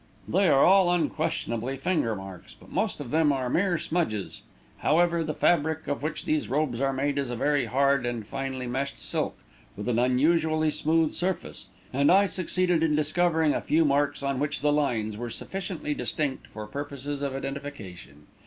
"They are all unquestionably finger marks, but most of them are mere smudges. However, the fabric of which these robes are made is a very hard and finely meshed silk, with an unusually smooth surface, and I succeeded in discovering a few marks on which the lines were sufficiently distinct for purposes of identification.